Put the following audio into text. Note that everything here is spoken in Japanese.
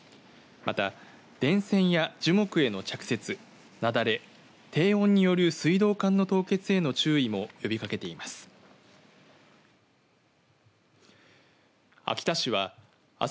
また、電線や樹木への着雪雪崩、低温による水道管の凍結への注意も呼びかけています。